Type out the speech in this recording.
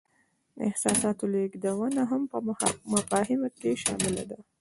د احساساتو لیږدونه هم په مفاهمه کې شامله ده.